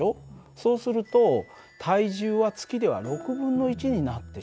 そうすると体重は月では６分の１になってしまう。